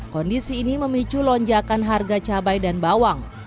kondisi ini memicu lonjakan harga cabai dan bawang